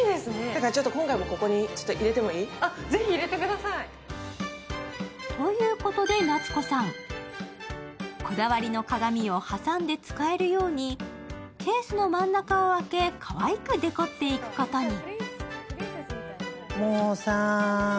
だから今回もここにちょっと入れてもいい？ということで、夏子さん、こだわりの鏡を挟んで使えるように、ケースの真ん中を開け、かわいくデコっていくことに。